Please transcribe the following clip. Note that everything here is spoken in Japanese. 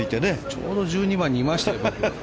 ちょうど１２番にいましたよ。